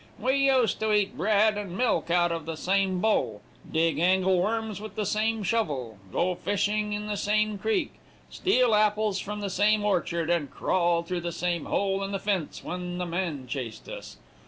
We used to eat bread and milk out of the same bowl, dig angleworms with the same shovel, go fishing in the same creek, steal apples from the same orchard, and crawl through the same hole in the fence when the man chased us.